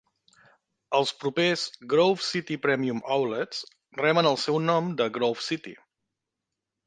Els propers Grove City Premium Outlets reben el seu nom de Grove City.